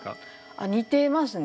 あ似てますね。